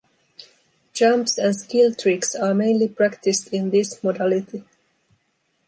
Jumps and skill tricks are mainly practiced in this modality.